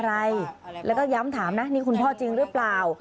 เราก็ย้ำถามนี้คุณพ่อจริงหรือเปล่า